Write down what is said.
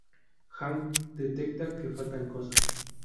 Hank detecta que faltan cosas.